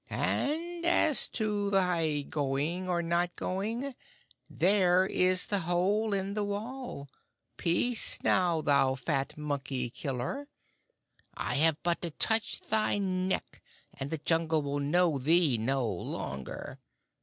And as to thy going or not going, there is the hole in the wall. Peace, now, thou fat monkey killer! I have but to touch thy neck, and the Jungle will know thee no longer.